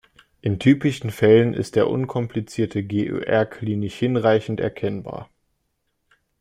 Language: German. In typischen Fällen ist der unkomplizierte GÖR klinisch hinreichend erkennbar.